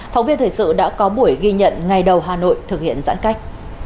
phóng viên thời sự đã có buổi ghi nhận ngày đầu hà nội thực hiện giãn cách